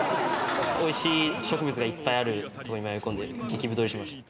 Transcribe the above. おいしい植物がいっぱいあるとこに迷い込んで激太りしました。